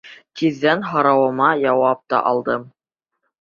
Тиҙҙән һорауыма яуап та алдым.